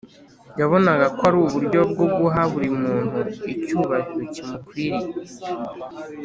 yabonaga ko ari uburyo bwo guha buri muntu icyubahiro kimukwiriye